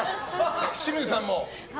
清水さんも。